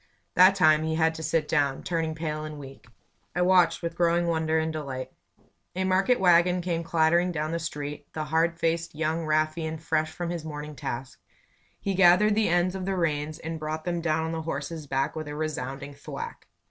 That time he had to sit down, turning pale and weak. I watched with growing wonder and delight. A market wagon came clattering down the street; the hard faced young ruffian fresh for his morning task. He gathered the ends of the reins and brought them down on the horse's back with a resounding thwack.